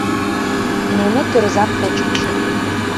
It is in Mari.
Нуно тӧрзам почыч.